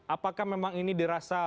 apakah memang ini dirasa